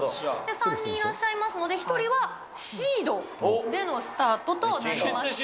３人いらっしゃいますので、１人でシードでのスタートとなりまして。